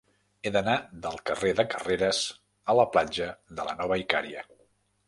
He d'anar del carrer de Carreras a la platja de la Nova Icària.